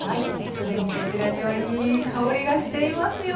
既にこちらにはいい香りがしていますよ。